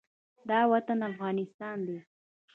دا وطن افغانستان دى.